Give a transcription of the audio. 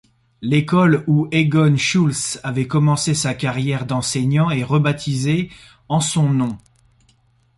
L'école où Egon Schultz avait commencé sa carrière d'enseignant est rebaptisée en son nom.